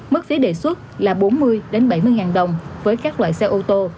mức phí đề xuất là bốn mươi bảy mươi ngàn đồng với các loại xe ô tô